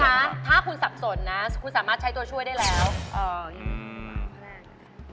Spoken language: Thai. คุณคะถ้าคุณสับสนนะคุณสามารถใช้ตัวช่วยได้แล้ว